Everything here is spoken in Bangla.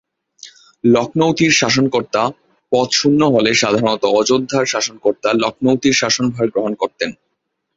লখনৌতির শাসনকর্তার পদ শূন্য হলে সাধারণত অযোধ্যার শাসনকর্তা লখনৌতির শাসনভার গ্রহণ করতেন।